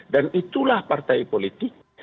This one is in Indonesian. dan itulah partai politik